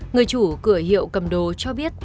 người chủ cửa hiệu cầm đồ cho biết